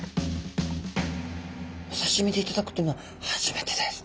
お刺身でいただくっていうのは初めてです。